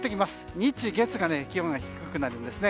日、月が気温が低くなるんですね。